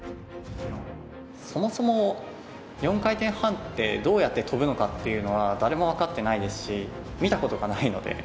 そもそも、４回転半ってどうやって跳ぶのかっていうのは、誰も分かってないですし、見たことがないので。